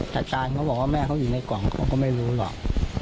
อาจารย์เขาบอกว่าแม่เขาอยู่ในกล่องผมก็ไม่รู้หรอก